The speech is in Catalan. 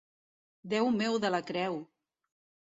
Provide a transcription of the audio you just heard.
Déu meu de la creu!